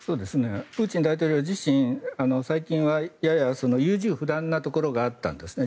プーチン大統領自身最近は、やや優柔不断なところがあったんですね。